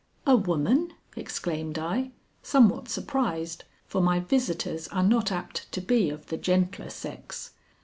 "A woman!" exclaimed I, somewhat surprised, for my visitors are not apt to be of the gentler sex.